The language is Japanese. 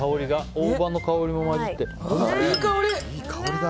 大葉の香りも交じって。